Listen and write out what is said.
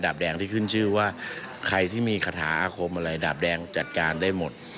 แดงที่ขึ้นชื่อว่าใครที่มีคาถาอาคมอะไรดาบแดงจัดการได้หมด